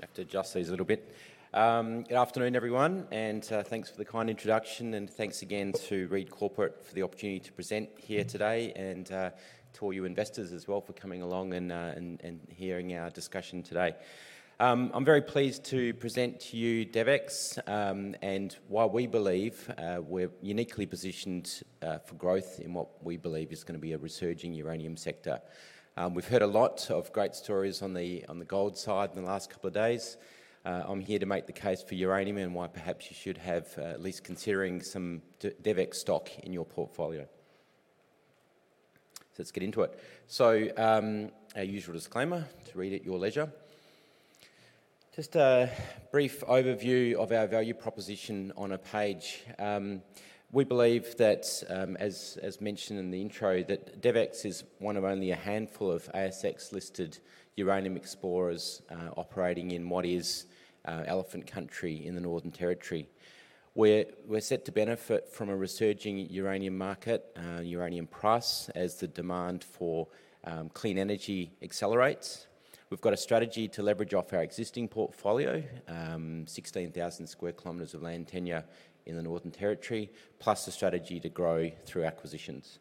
Dr. Joss, a little bit. Good afternoon, everyone, and thanks for the kind introduction, and thanks again to Reed Corporate for the opportunity to present here today, and to all you investors as well for coming along and hearing our discussion today. I'm very pleased to present to you DevEx, and why we believe we're uniquely positioned for growth in what we believe is going to be a resurging uranium sector. We've heard a lot of great stories on the gold side in the last couple of days. I'm here to make the case for uranium and why perhaps you should have at least considering some DevEx stock in your portfolio. So let's get into it. So our usual disclaimer to read at your leisure. Just a brief overview of our value proposition on a page. We believe that, as mentioned in the intro, that DevEx is one of only a handful of ASX-listed uranium explorers operating in what is elephant country in the Northern Territory. We're set to benefit from a resurging uranium market, uranium price, as the demand for clean energy accelerates. We've got a strategy to leverage off our existing portfolio, 16,000 sq km of land tenure in the Northern Territory, plus a strategy to grow through acquisitions.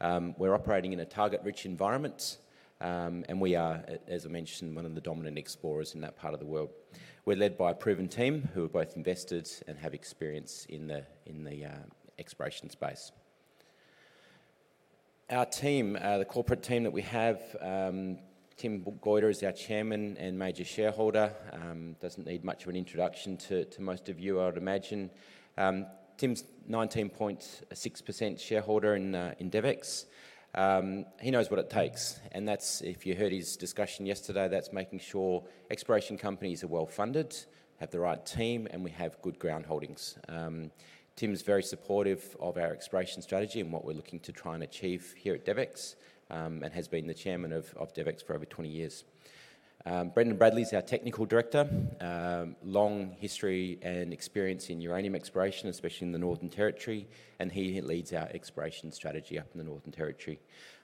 We're operating in a target-rich environment, and we are, as I mentioned, one of the dominant explorers in that part of the world. We're led by a proven team who are both investors and have experience in the exploration space. Our team, the corporate team that we have, Tim Goyder is our Chairman and major shareholder. Doesn't need much of an introduction to most of you, I would imagine. Tim's 19.6% shareholder in DevEx. He knows what it takes, and that's, if you heard his discussion yesterday, that's making sure exploration companies are well funded, have the right team, and we have good ground holdings. Tim's very supportive of our exploration strategy and what we're looking to try and achieve here at DevEx, and has been the Chairman of DevEx for over 20 years. Brendan Bradley's our Technical Director, long history and experience in uranium exploration, especially in the Northern Territory, and he leads our exploration strategy up in the Northern Territory.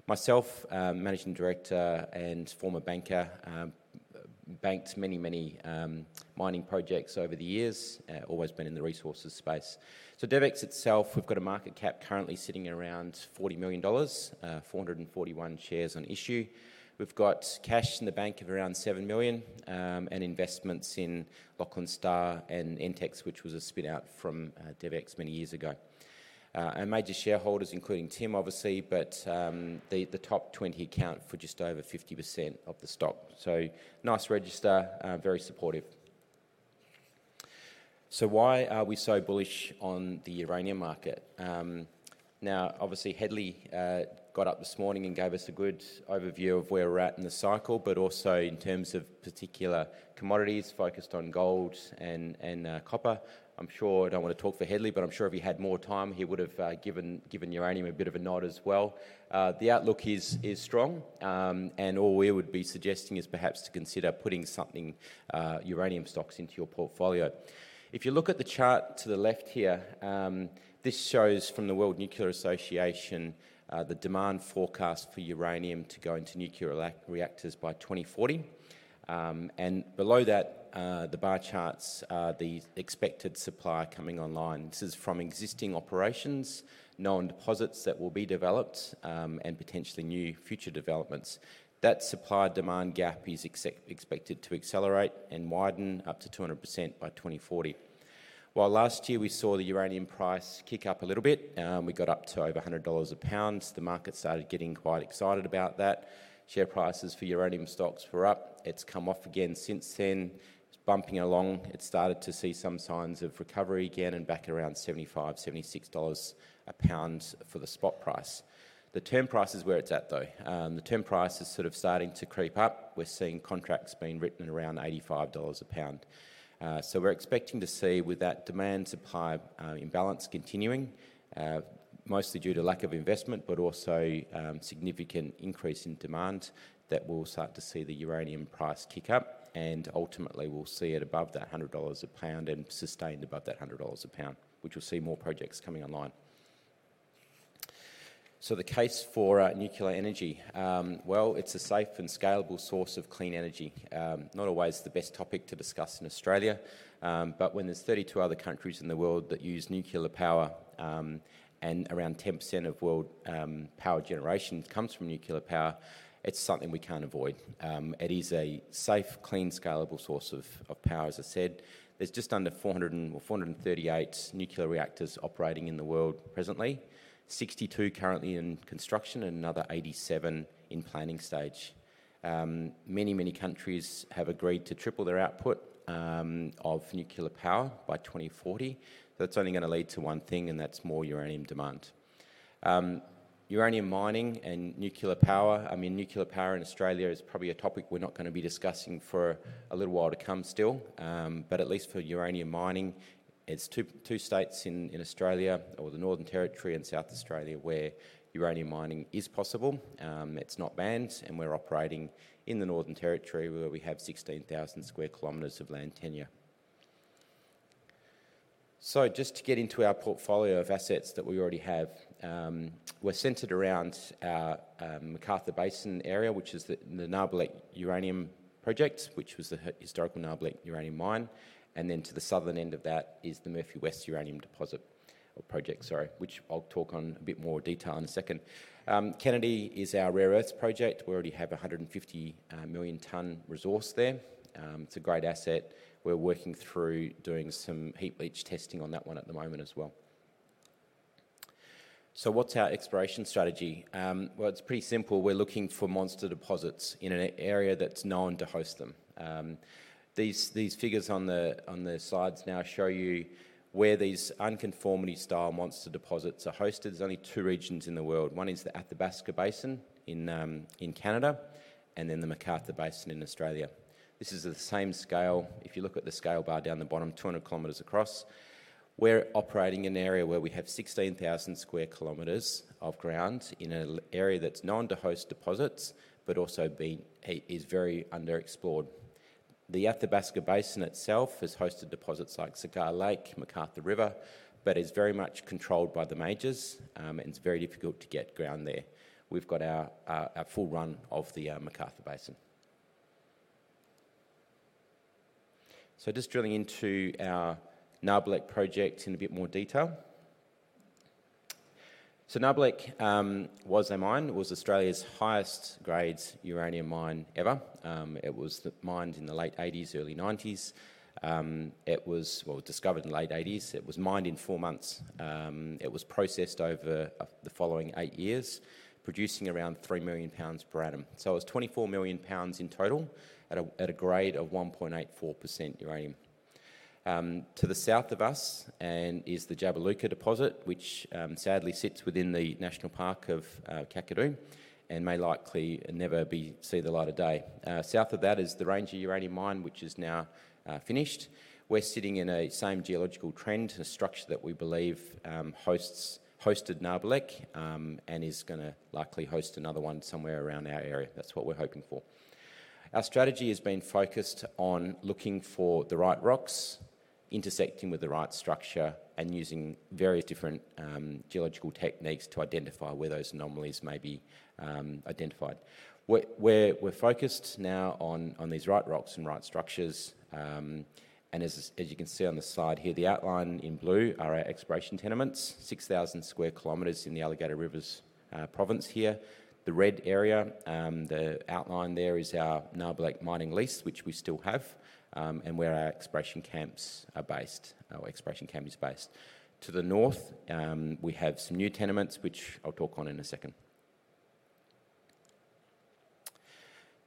Myself, Managing Director and former banker, banked many, many mining projects over the years, always been in the resources space. So DevEx itself, we've got a market cap currently sitting at around 40 million dollars, 441 shares on issue. We've got cash in the bank of around 7 million and investments in Lachlan Star and EntX, which was a spin-out from DevEx many years ago. Our major shareholders, including Tim, obviously, but the top 20 account for just over 50% of the stock. So nice register, very supportive. So why are we so bullish on the uranium market? Now, obviously, Hedley got up this morning and gave us a good overview of where we're at in the cycle, but also in terms of particular commodities focused on gold and copper. I'm sure, I don't want to talk for Hedley, but I'm sure if he had more time, he would have given uranium a bit of a nod as well. The outlook is strong, and all we would be suggesting is perhaps to consider putting some uranium stocks into your portfolio. If you look at the chart to the left here, this shows from the World Nuclear Association the demand forecast for uranium to go into nuclear reactors by 2040, and below that, the bar charts, the expected supply coming online. This is from existing operations, known deposits that will be developed, and potentially new future developments. That supply-demand gap is expected to accelerate and widen up to 200% by 2040. While last year we saw the uranium price kick up a little bit, we got up to over $100 a pound. The market started getting quite excited about that. Share prices for uranium stocks were up. It's come off again since then. It's bumping along. It started to see some signs of recovery again and back around $75-$76 a pound for the spot price. The term price is where it's at, though. The term price is sort of starting to creep up. We're seeing contracts being written at around $85 a pound. So we're expecting to see, with that demand-supply imbalance continuing, mostly due to lack of investment, but also significant increase in demand, that we'll start to see the uranium price kick up, and ultimately we'll see it above that $100 a pound and sustained above that $100 a pound, which will see more projects coming online. So the case for nuclear energy. Well, it's a safe and scalable source of clean energy. Not always the best topic to discuss in Australia, but when there's 32 other countries in the world that use nuclear power and around 10% of world power generation comes from nuclear power, it's something we can't avoid. It is a safe, clean, scalable source of power, as I said. There's just under 438 nuclear reactors operating in the world presently, 62 currently in construction and another 87 in planning stage. Many, many countries have agreed to triple their output of nuclear power by 2040. That's only going to lead to one thing, and that's more uranium demand. Uranium mining and nuclear power, I mean, nuclear power in Australia is probably a topic we're not going to be discussing for a little while to come still, but at least for uranium mining, it's two states in Australia, or the Northern Territory and South Australia, where uranium mining is possible. It's not banned, and we're operating in the Northern Territory where we have 16,000 sq km of land tenure. Just to get into our portfolio of assets that we already have, we're centered around our McArthur Basin area, which is the Nabarlek Uranium Project, which was the historical Nabarlek Uranium Mine, and then to the southern end of that is the Murphy West Uranium Deposit or Project, sorry, which I'll talk on a bit more detail in a second. Kennedy is our rare earth project. We already have a 150 million tonne resource there. It's a great asset. We're working through doing some heap leach testing on that one at the moment as well. What's our exploration strategy? It's pretty simple. We're looking for monster deposits in an area that's known to host them. These figures on the slides now show you where these unconformity-style monster deposits are hosted. There's only two regions in the world. One is the Athabasca Basin in Canada and then the McArthur Basin in Australia. This is the same scale. If you look at the scale bar down the bottom, 200 km across, we're operating in an area where we have 16,000 sq km of ground in an area that's known to host deposits, but also is very underexplored. The Athabasca Basin itself has hosted deposits like Cigar Lake, McArthur River, but is very much controlled by the majors, and it's very difficult to get ground there. We've got our full run of the McArthur Basin. So just drilling into our Nabarlek project in a bit more detail. So Nabarlek was a mine, was Australia's highest-grade uranium mine ever. It was mined in the late 1980s, early 1990s. It was, well, discovered in the late 1980s. It was mined in four months. It was processed over the following eight years, producing around 3 million pounds per annum. So it was 24 million pounds in total at a grade of 1.84% uranium. To the south of us is the Jabiluka Deposit, which sadly sits within the Kakadu National Park and may likely never see the light of day. South of that is the Ranger Uranium Mine, which is now finished. We're sitting in the same geological trend, a structure that we believe hosted Nabarlek and is going to likely host another one somewhere around our area. That's what we're hoping for. Our strategy has been focused on looking for the right rocks, intersecting with the right structure, and using various different geological techniques to identify where those anomalies may be identified. We're focused now on these right rocks and right structures. As you can see on the slide here, the outline in blue are our exploration tenements, 6,000 sq km in the Alligator Rivers province here. The red area, the outline there is our Nabarlek mining lease, which we still have, and where our exploration camps are based. To the north, we have some new tenements, which I'll talk on in a second.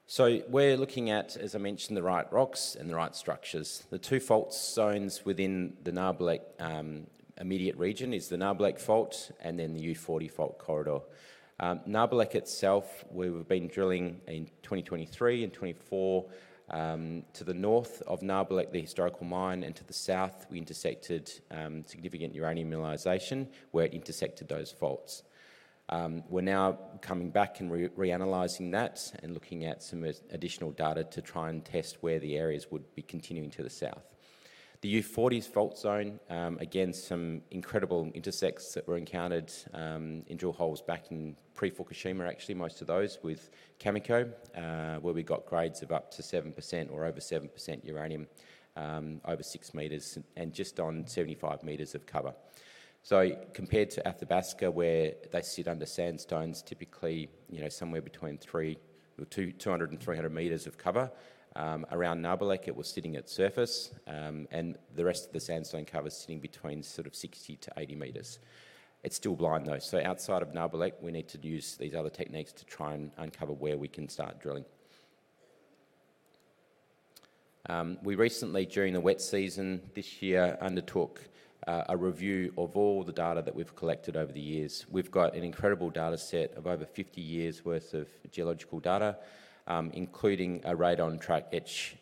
So we're looking at, as I mentioned, the right rocks and the right structures. The two fault zones within the Nabarlek immediate region are the Nabarlek Fault and then the U40 Fault corridor. Nabarlek itself, we were drilling in 2023 and 2024. To the north of Nabarlek, the historical mine, and to the south, we intersected significant uranium mineralization where it intersected those faults. We're now coming back and reanalyzing that and looking at some additional data to try and test where the areas would be continuing to the south. The U40 Fault zone, again, some incredible intersections that were encountered in drill holes back in pre-Fukushima, actually, most of those with Cameco, where we got grades of up to 7% or over 7% uranium, over 6 meters and just on 75 meters of cover. So compared to Athabasca, where they sit under sandstones, typically somewhere between 200 and 300 meters of cover, around Nabarlek, it was sitting at surface, and the rest of the sandstone cover sitting between sort of 60 to 80 meters. It's still blind, though. So outside of Nabarlek, we need to use these other techniques to try and uncover where we can start drilling. We recently, during the wet season this year, undertook a review of all the data that we've collected over the years. We've got an incredible data set of over 50 years' worth of geological data, including a radon track etch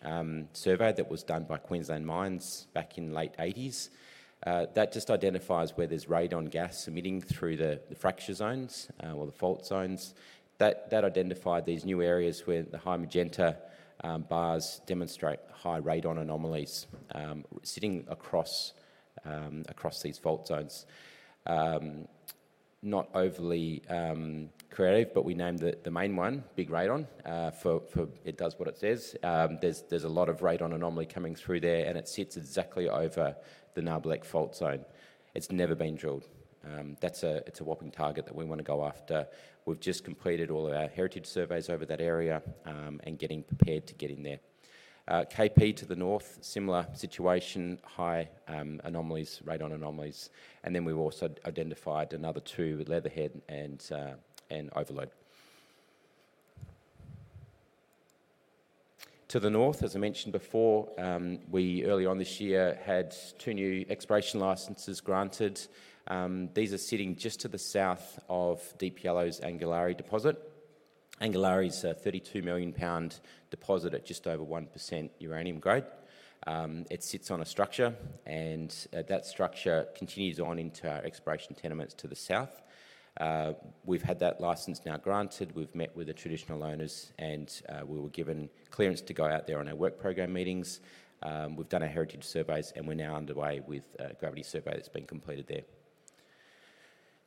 survey that was done by Queensland Mines back in the late 1980s. That just identifies where there's radon gas emitting through the fracture zones or the fault zones. That identified these new areas where the high magenta bars demonstrate high radon anomalies sitting across these fault zones. Not overly creative, but we named the main one, Big Radon, for it does what it says. There's a lot of radon anomaly coming through there, and it sits exactly over the Nabarlek Fault zone. It's never been drilled. It's a whopping target that we want to go after. We've just completed all of our heritage surveys over that area and getting prepared to get in there. KP to the north, similar situation, high anomalies, radon anomalies. Then we've also identified another two, Leatherhead and Overload. To the north, as I mentioned before, we early on this year had two new exploration licenses granted. These are sitting just to the south of Deep Yellow's Angularli Deposit. Angularli's a 32 million pound deposit at just over 1% uranium grade. It sits on a structure, and that structure continues on into our exploration tenements to the south. We've had that license now granted. We've met with the traditional owners, and we were given clearance to go out there on our work program meetings. We've done our heritage surveys, and we're now underway with a gravity survey that's been completed there.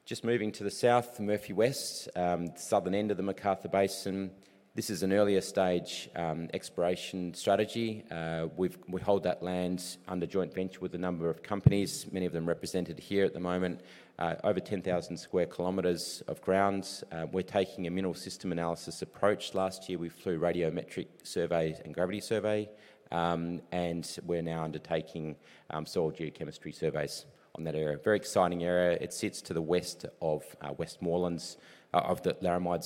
Just moving to the south, Murphy West, southern end of the McArthur Basin. This is an earlier stage exploration strategy. We hold that land under joint venture with a number of companies, many of them represented here at the moment, over 10,000 sq km of ground. We're taking a mineral system analysis approach. Last year, we flew radiometric survey and gravity survey, and we're now undertaking soil geochemistry surveys on that area. Very exciting area. It sits to the west of Laramide's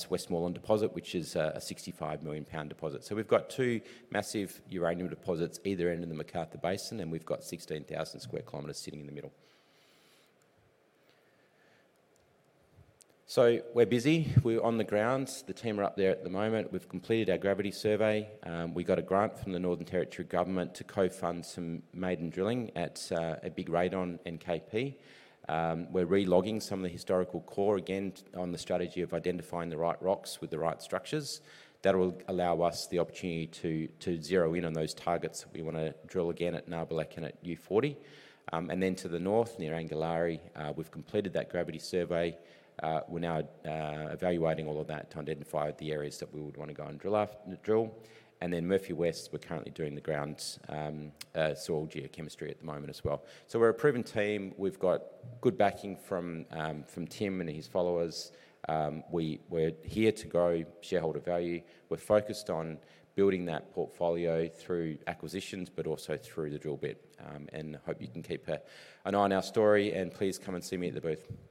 Westmoreland deposit, which is a 65 million pound deposit. So we've got two massive uranium deposits either end of the McArthur Basin, and we've got 16,000 sq km sitting in the middle. So we're busy. We're on the ground. The team are up there at the moment. We've completed our gravity survey. We got a grant from the Northern Territory Government to co-fund some maiden drilling at Big Radon and KP. We're relogging some of the historical core again on the strategy of identifying the right rocks with the right structures. That will allow us the opportunity to zero in on those targets that we want to drill again at Nabarlek and at U40. Then to the north, near Angularli, we've completed that gravity survey. We're now evaluating all of that to identify the areas that we would want to go and drill. Then Murphy West, we're currently doing the ground soil geochemistry at the moment as well. We're a proven team. We've got good backing from Tim and his followers. We're here to grow shareholder value. We're focused on building that portfolio through acquisitions, but also through the drill bit. I hope you can keep an eye on our story, and please come and see me at the booth. Thank you.